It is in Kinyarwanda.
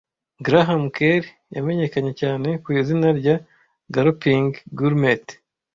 Graham Kerr yamenyekanye cyane ku izina rya Galloping Gourmet